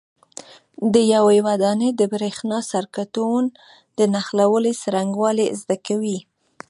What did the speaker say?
د یوې ودانۍ د برېښنا سرکټونو د نښلولو څرنګوالي زده کوئ.